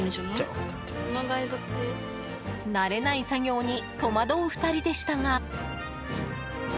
慣れない作業に戸惑う２人でしたが。